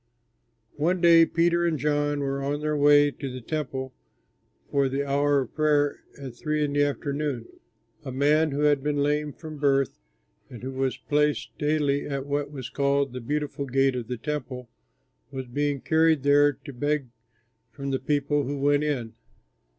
One day Peter and John were on their way to the Temple for the hour of prayer at three in the afternoon. A man who had been lame from birth, and who was placed daily at what was called the Beautiful Gate of the Temple, was being carried there to beg from the people who went in.